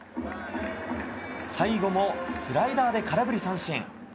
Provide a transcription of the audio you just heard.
最後もスライダーで空振り三振。